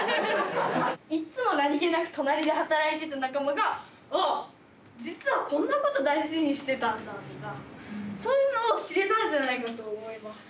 いっつも何気なく隣で働いてた仲間があっ実はこんなこと大事にしてたんだとかそういうのを知れたんじゃないかと思います。